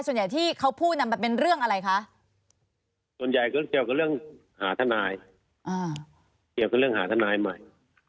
ส่วนใหญ่ที่เขาพูดมันเป็นเรื่องอะไรคะส่วนใหญ่ก็เกี่ยวกับเรื่องหาทนายเกี่ยวกับเรื่องหาทนายใหม่